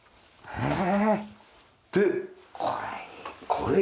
へえ。